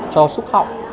cho xúc họng